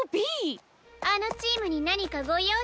あのチームになにかごようでしたの？